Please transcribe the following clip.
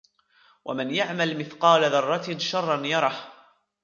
وَمَنْ يَعْمَلْ مِثْقَالَ ذَرَّةٍ شَرًّا يَرَهُ